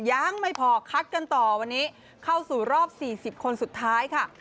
ยังไม่พอคัดกันต่อวันนี้เข้าสู่รอบ๔๐คนสุดท้ายค่ะ